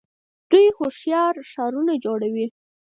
دوی هوښیار ښارونه جوړوي.